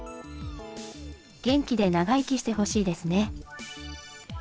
元気で長生きしてほしいですね。